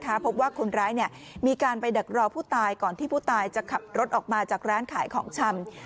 พบว่าคนร้ายมีการไปดักรอผู้ตายก่อนที่ผู้ตายจะขับรถออกมาจากร้านขายของชำ